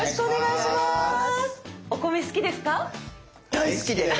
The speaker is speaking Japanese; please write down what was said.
大好きです！